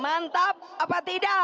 mantap apa tidak